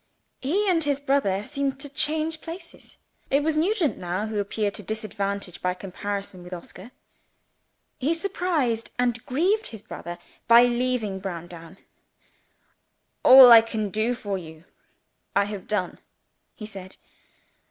He and his brother seemed to change places. It was Nugent now who appeared to disadvantage by comparison with Oscar. He surprised and grieved his brother by leaving Browndown. "All I can do for you, I have done," he said.